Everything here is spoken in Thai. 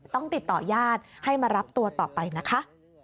ต้องติดต่อญาติให้มารับตัวต่อไปนะคะ